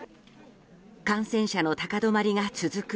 感染者の高止まりが続く